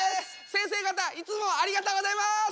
せんせい方いつもありがとうございます！